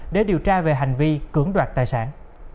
để điều tra về hành vi cưỡng đoạt tài sản